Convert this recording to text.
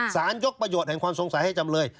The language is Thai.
ยกประโยชน์แห่งความสงสัยให้จำเลย